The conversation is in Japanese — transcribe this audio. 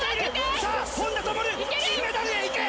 さあ、本多灯金メダル行け！